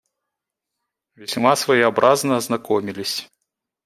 Весьма своеобразно ознакомились.